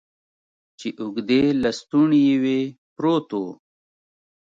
چې اوږدې لستوڼي یې وې، پروت و.